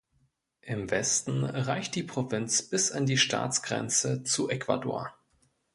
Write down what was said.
Im Westen reicht die Provinz bis an die Staatsgrenze zu Ecuador.